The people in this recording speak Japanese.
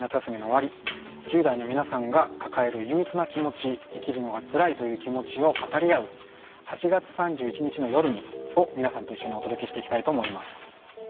今夜は夏休みの終わり１０代の皆さんが抱えるゆううつな気持ち生きるのがつらいという気持ちを語り合う「＃８月３１日の夜に。」を皆さんと一緒にお届けしていきたいと思います。